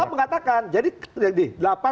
kuhab mengatakan jadi